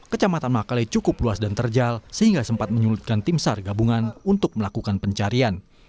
kecamatan makale cukup luas dan terjal sehingga sempat menyulitkan tim sar gabungan untuk melakukan pencarian